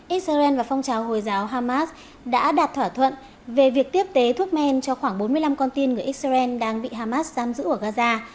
israel và phong trào hồi giáo hamas đã đạt thỏa thuận về việc tiếp tế thuốc men cho khoảng bốn mươi năm con tin người israel đang bị hamas giam giữ ở gaza